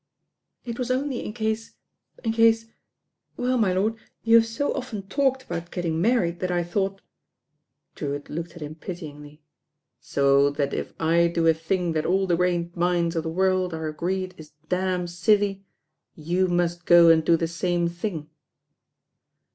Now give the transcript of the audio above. "It was only in case — ^in case ^ ^i, my lord, you have so often talked about gettmg mar ried that I though. " Drewitt looked at him pityingly. "So that if I do a thing that all the great minds of the world are agreed is damn silly, you must go and do the sai i thing."